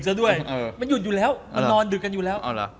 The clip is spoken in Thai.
แต่อย่าลืมนะ